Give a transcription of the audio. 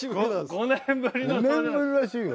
５年ぶりらしいよ。